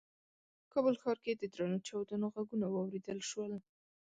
کابل ښار کې د درنو چاودنو غږونه واورېدل شول.